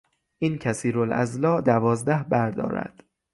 این کثیرالاضلاع دوازده بر دارد.